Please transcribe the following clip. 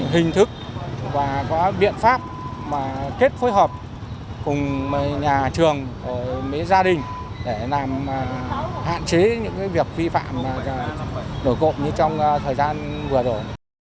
hình thức và có biện pháp mà kết phối hợp cùng nhà trường và mấy gia đình để làm hạn chế những cái việc vi phạm đổi cộng như trong thời gian vừa rồi